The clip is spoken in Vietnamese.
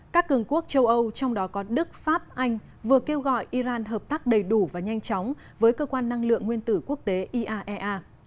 các cường quốc châu âu trong đó có đức pháp anh vừa kêu gọi iran hợp tác đầy đủ và nhanh chóng với cơ quan năng lượng nguyên tử quốc tế iaea